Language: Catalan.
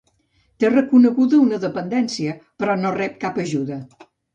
Té reconeguda una dependència, però no rep cap ajuda.